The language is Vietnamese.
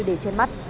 để trên mắt